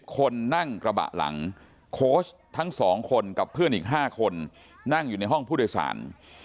คนนั่งกระบะหลังโค้ชทั้ง๒คนกับเพื่อนอีก๕คนนั่งอยู่ในห้องผู้โดยสาร